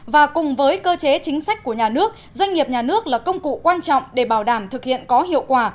và cùng với cơ chế chính sách của nhà nước doanh nghiệp nhà nước là công cụ quan trọng để bảo đảm thực hiện có hiệu quả